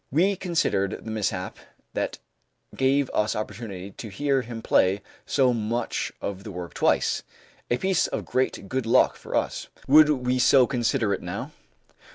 We considered the mishap that gave us opportunity to hear him play so much of the work twice, a piece of great good luck for us. Would we so consider it now?